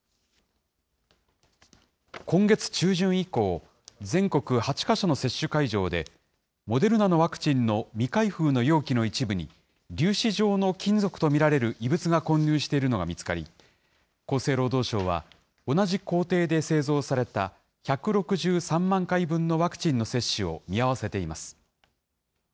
今月中旬以降、全国８か所の接種会場で、モデルナのワクチンの未開封の容器の一部に粒子状の金属と見られる異物が混入しているのが見つかり、厚生労働省は同じ工程で製造された、１６３万回分のワクチンの接種を見合わせています。